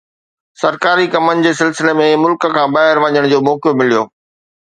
سرڪاري ڪمن جي سلسلي ۾ ملڪ کان ٻاهر وڃڻ جو موقعو مليو